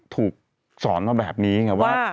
ถูกสอนมาแบบนี้ไงว่า